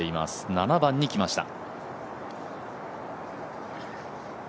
７番に来ました。